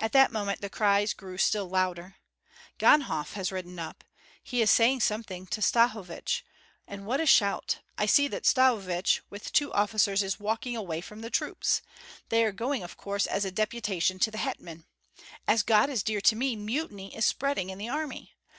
At that moment the cries grew still louder. "Ganhoff has ridden up. He is saying something to Stahovich, and what a shout! I see that Stahovich with two officers is walking away from the troops. They are going of course as a deputation to the hetman. As God is dear to me, mutiny is spreading in the army!